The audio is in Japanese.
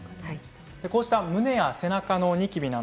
こうした胸や背中のニキビ